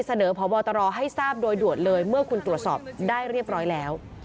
เสนอพบตรให้ทราบโดยด่วนเลยเมื่อคุณตรวจสอบได้เรียบร้อยแล้ว